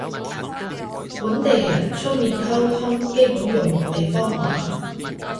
本地人出面溝通基本用地方話